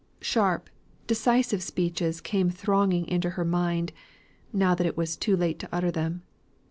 Sharp, decisive speeches came thronging into her mind, now that it was too late to utter them.